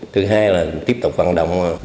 thứ hai là tiếp tục vận động